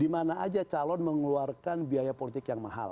di mana aja calon mengeluarkan biaya politik yang besar